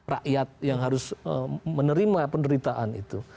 rakyat yang harus menerima penderitaan itu